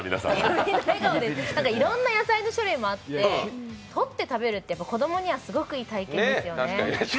いろんな野菜の種類もあって、採って食べるって子供にはすごくいい体験ですよね。